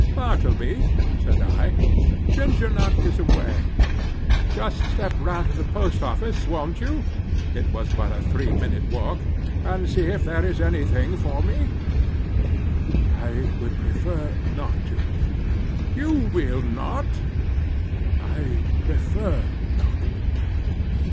"Bartleby," said I, "Ginger Nut is away; just step round to the Post Office, won't you? (it was but a three minute walk,) and see if there is any thing for me." "I would prefer not to." "You will not?" "I prefer not."